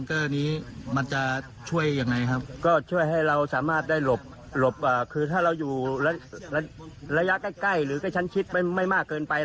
เออยังไงทำให้แข็งแรงหน่อย